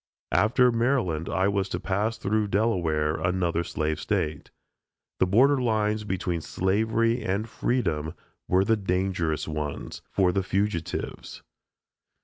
After Maryland I was to pass through Delaware another slave State. The border lines between slavery and freedom were the dangerous ones, for the fugitives.